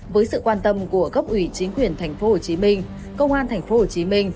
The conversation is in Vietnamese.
với sự quan tâm của cấp ủy chính quyền tp hcm công an tp hcm